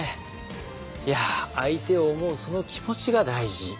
いや相手を思うその気持ちが大事。